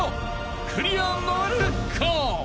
［クリアなるか？］